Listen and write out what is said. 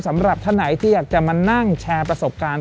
สำหรับท่านไหนที่อยากจะมานั่งแชร์ประสบการณ์